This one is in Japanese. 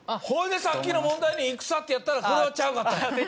ほいでさっきの問題で「いくさ」ってやったらちゃうかったんや。